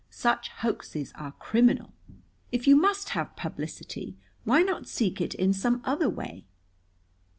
Such hoaxes are criminal. If you must have publicity, why not seek it in some other way?"